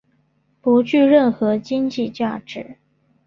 不具任何经济价值。